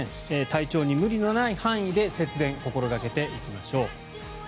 体調に無理のない範囲で節電を心掛けていきましょう。